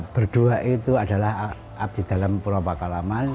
berdua itu adalah abdi dalam pulau pakalaman